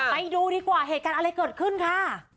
ไปดูดีกว่าเหตุการณ์อะไรเกิดขึ้นค่ะ